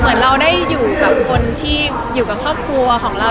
เหมือนเราได้อยู่กับคนที่อยู่กับครอบครัวของเรา